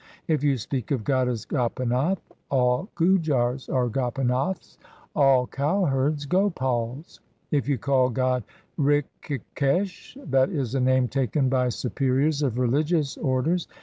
3 If you speak of God as Gopinath, all Gujars are Gopinaths, all cowherds Gopals ; if you call God Rikhikesh, that is a name taken by superiors of religious orders.